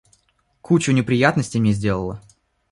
Кучу неприятностей мне сделала.